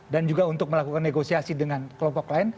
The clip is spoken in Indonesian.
dan juga untuk melakukan negosiasi dengan kelompok lain